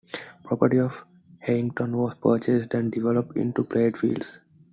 Property in Heyington was purchased and developed into playing fields.